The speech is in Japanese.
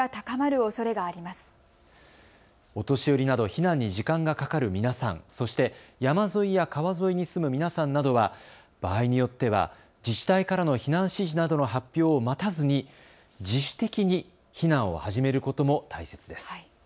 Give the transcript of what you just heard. お年寄りなど避難に時間がかかる皆さん、そして山沿いや川沿いに住む皆さんなどは場合によっては自治体からの避難指示などの発表を待たずに自主的に避難を始めることも大切です。